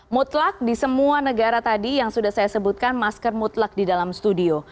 mutlak di semua negara tadi yang sudah saya sebutkan masker mutlak di dalam studio